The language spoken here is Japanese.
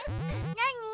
なに？